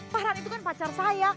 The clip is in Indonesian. fahran itu kan pacar saya